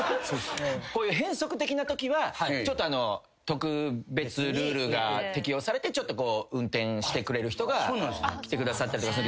こういう変則的なときは特別ルールが適用されて運転してくれる人が来てくださったりとかする。